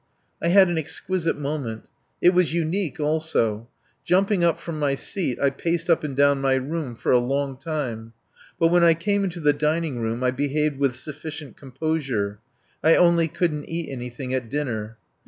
I had an exquisite moment. It was unique also. Jumping up from my seat, I paced up and down my room for a long time. But when I came downstairs I behaved with sufficient composure. Only I couldn't eat anything at dinner.